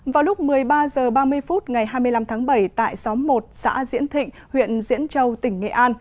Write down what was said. vào lúc một mươi ba h ba mươi phút ngày hai mươi năm tháng bảy tại xóm một xã diễn thịnh huyện diễn châu tỉnh nghệ an